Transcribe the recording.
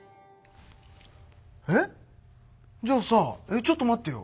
えっじゃあさちょっと待ってよ